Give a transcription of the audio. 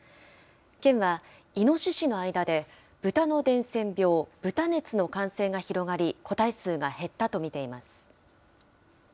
県はイノシシの間で、ブタの伝染病、豚熱の感染が広がり、個体数が減ったと見られています。